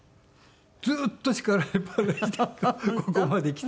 ずっと叱られっぱなしでここまで来て。